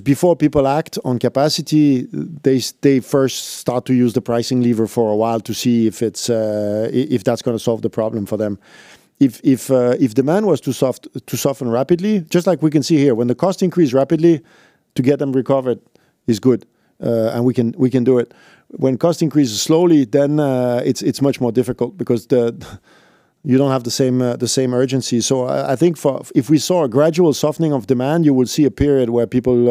before people act on capacity, they first start to use the pricing lever for a while to see if that's gonna solve the problem for them. If demand was to soften rapidly, just like we can see here, when the cost increase rapidly to get them recovered is good, and we can do it. When cost increases slowly then, it's much more difficult because you don't have the same urgency. I think if we saw a gradual softening of demand, you would see a period where people,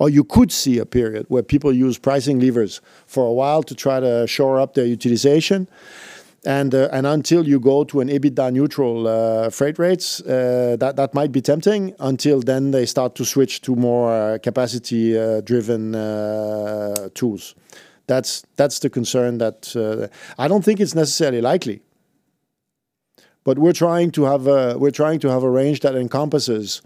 or you could see a period where people use pricing levers for a while to try to shore up their utilization. Until you go to an EBITDA neutral freight rates, that might be tempting until then they start to switch to more capacity driven tools. That's the concern that I don't think it's necessarily likely, we're trying to have a range that encompasses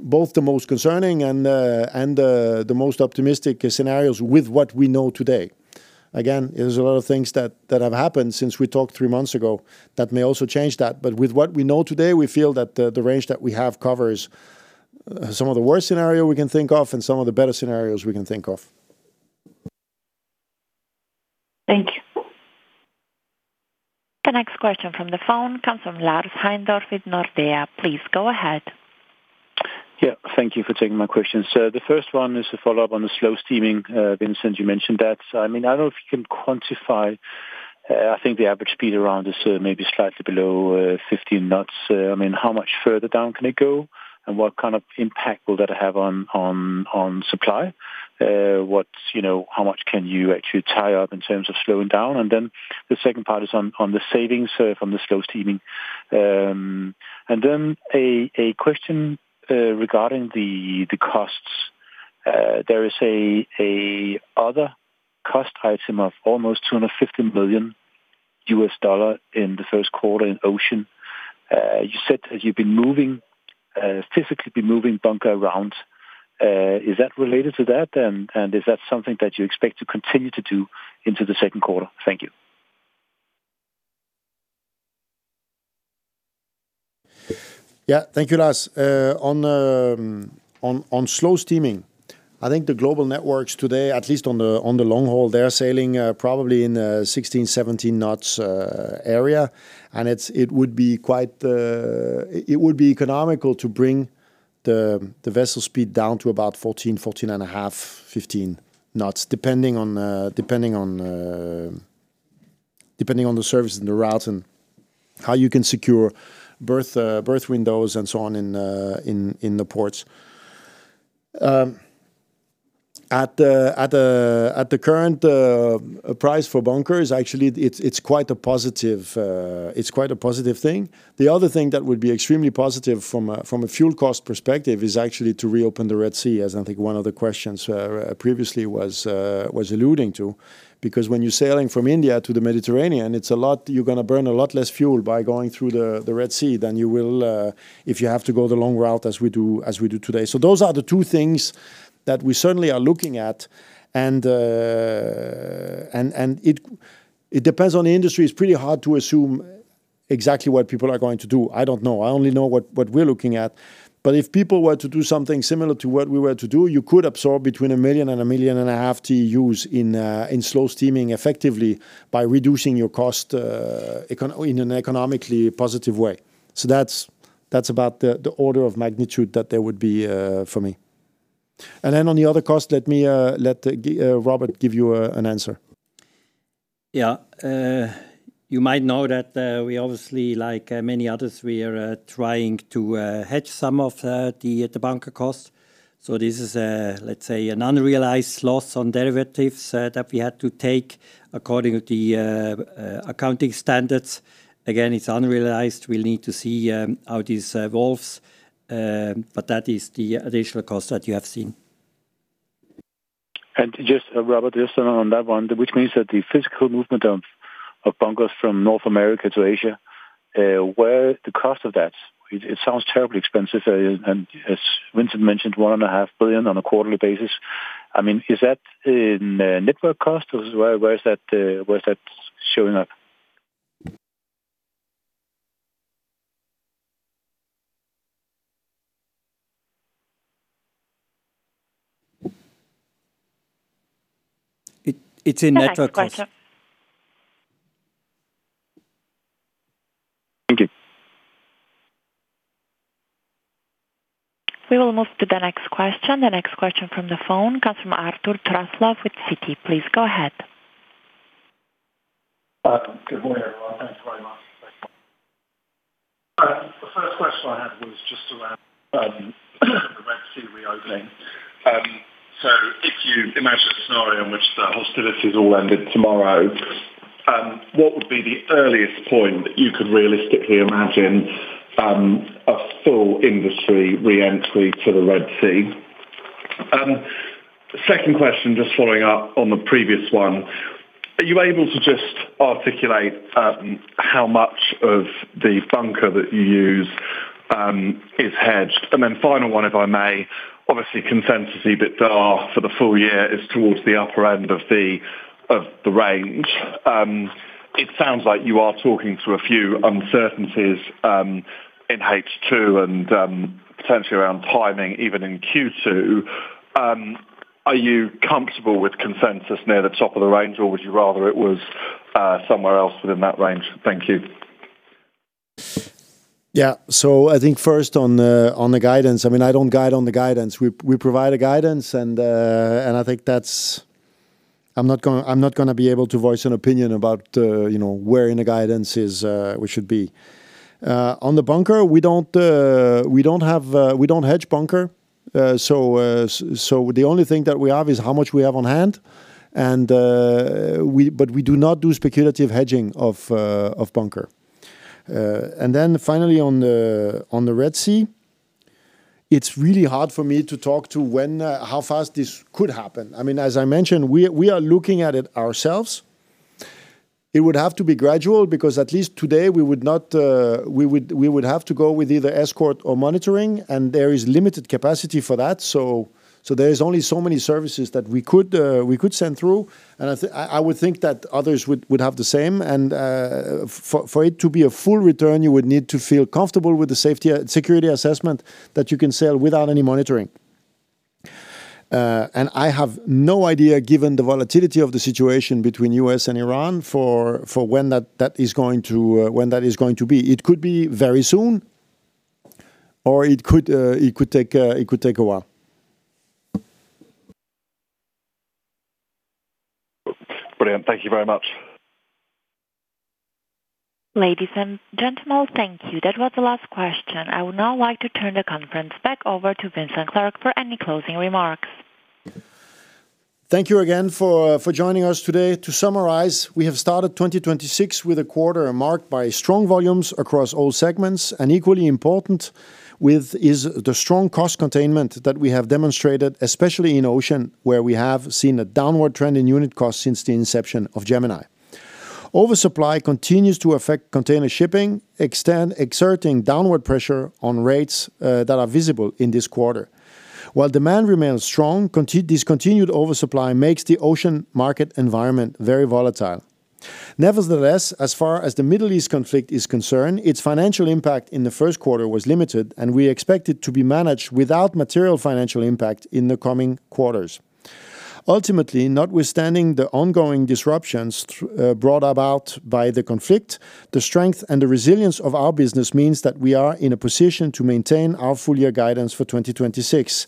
both the most concerning and the most optimistic scenarios with what we know today. There's a lot of things that have happened since we talked three months ago that may also change that. With what we know today, we feel that the range that we have covers some of the worst scenario we can think of and some of the better scenarios we can think of. Thank you. The next question from the phone comes from Lars Heindorff with Nordea. Please go ahead. Yeah. Thank you for taking my questions. The first one is a follow-up on the slow steaming. Vincent, you mentioned that. I mean, I don't know if you can quantify. I think the average speed around is maybe slightly below 15 knots. I mean, how much further down can it go, and what kind of impact will that have on, on supply? What's, you know, how much can you actually tie up in terms of slowing down? Then the second part is on the savings from the slow steaming. Then a question regarding the costs. There is a other cost item of almost $250 million in the first quarter in ocean. You said that you've been moving, physically been moving bunker around. Is that related to that? Is that something that you expect to continue to do into the second quarter? Thank you. Thank you, Lars. On slow steaming, I think the global networks today, at least on the long haul, they're sailing probably in 16 knots, 17 knots area. It would be quite economical to bring the vessel speed down to about 14.5 knots, 15 knots, depending on depending on the service and the route and how you can secure berth windows and so on in the ports. At the current price for bunkers, actually it's quite a positive thing. The other thing that would be extremely positive from a fuel cost perspective is actually to reopen the Red Sea, as I think one of the questions previously was alluding to. Because when you're sailing from India to the Mediterranean, you're gonna burn a lot less fuel by going through the Red Sea than you will if you have to go the long route as we do today. Those are the two things that we certainly are looking at. It depends on the industry. It's pretty hard to assume exactly what people are going to do. I don't know. I only know what we're looking at. If people were to do something similar to what we were to do, you could absorb between 1 million and 1.5 million TEUs in slow steaming effectively by reducing your cost in an economically positive way. That's, that's about the order of magnitude that there would be for me. On the other cost, let me let Robert give you an answer. Yeah. You might know that, we obviously, like, many others, we are trying to hedge some of the bunker cost. This is a, let's say, an unrealized loss on derivatives that we had to take according to the accounting standards. Again, it's unrealized. We'll need to see how this evolves, but that is the additional cost that you have seen. Just, Robert, just on that one, which means that the physical movement of bunkers from North America to Asia, where the cost of that, it sounds terribly expensive. As Vincent mentioned, $1.5 Billion on a quarterly basis. I mean, is that in network cost, or where is that showing up? It's in network cost. The next question. Thank you. We will move to the next question. The next question from the phone comes from Arthur Truslove with Citi. Please go ahead. Good morning, everyone. Thanks very much. The first question I had was just around the Red Sea reopening. If you imagine a scenario in which the hostilities all ended tomorrow, what would be the earliest point that you could realistically imagine a full industry re-entry to the Red Sea? Second question, just following up on the previous one. Are you able to just articulate how much of the bunker that you use is hedged? Final one, if I may. Obviously, consensus EBITDA for the full year is towards the upper end of the range. It sounds like you are talking through a few uncertainties in H2 and potentially around timing even in Q2. Are you comfortable with consensus near the top of the range, or would you rather it was somewhere else within that range? Thank you. I think first on the guidance, I mean, I don't guide on the guidance. We provide a guidance and I think that's I'm not gonna be able to voice an opinion about, you know, where in the guidance we should be. On the bunker, we don't, we don't have, we don't hedge bunker. The only thing that we have is how much we have on hand and we do not do speculative hedging of bunker. Finally on the Red Sea, it's really hard for me to talk to when how fast this could happen. I mean, as I mentioned, we are looking at it ourselves. It would have to be gradual because at least today we would not, we would have to go with either escort or monitoring, and there is limited capacity for that. There is only so many services that we could send through. I would think that others would have the same. For it to be a full return, you would need to feel comfortable with the safety, security assessment that you can sail without any monitoring. I have no idea, given the volatility of the situation between U.S. and Iran for when that is going to, when that is going to be. It could be very soon, or it could take a while. Brilliant. Thank you very much. Ladies and gentlemen, thank you. That was the last question. I would now like to turn the conference back over to Vincent Clerc for any closing remarks. Thank you again for joining us today. To summarize, we have started 2026 with a quarter marked by strong volumes across all segments, and equally important with is the strong cost containment that we have demonstrated, especially in Ocean, where we have seen a downward trend in unit cost since the inception of Gemini. Oversupply continues to affect container shipping, exerting downward pressure on rates that are visible in this quarter. While demand remains strong, this continued oversupply makes the ocean market environment very volatile. Nevertheless, as far as the Middle East conflict is concerned, its financial impact in the first quarter was limited, and we expect it to be managed without material financial impact in the coming quarters. Ultimately, notwithstanding the ongoing disruptions brought about by the conflict, the strength and the resilience of our business means that we are in a position to maintain our full year guidance for 2026.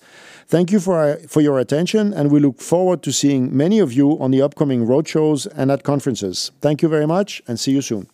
Thank you for your attention, and we look forward to seeing many of you on the upcoming roadshows and at conferences. Thank you very much and see you soon.